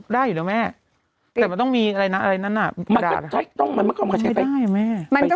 ได้อยู่นะแม่